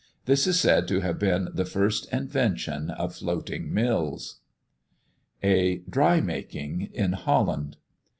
This is said to have been the first invention of floating mills. A "DRY MAKING" IN HOLLAND.